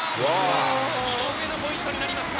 ２本目のポイントになりました。